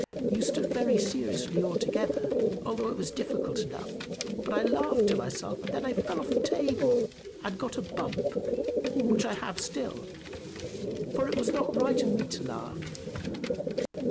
You stood very seriously all together, although it was difficult enough; but I laughed to myself, and then I fell off the table, and got a bump, which I have still for it was not right of me to laugh.